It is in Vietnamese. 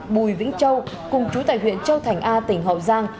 bùi vĩnh châu cùng chú tại huyện châu thành a tỉnh hậu giang